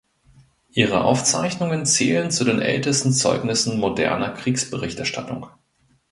Ihre Aufzeichnungen zählen zu den ältesten Zeugnissen moderner Kriegsberichterstattung.